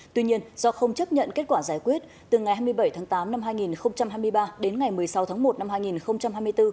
tuy nhiên do không chấp nhận kết quả giải quyết từ ngày hai mươi bảy tháng tám năm hai nghìn hai mươi ba đến ngày một mươi sáu tháng một năm hai nghìn hai mươi bốn